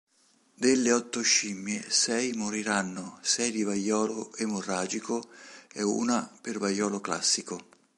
Delle otto scimmie, sei moriranno sei di vaiolo emorragico e una per vaiolo classico.